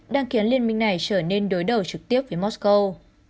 đang khiến liên minh này trở nên đối đầu trực tiếp với mosco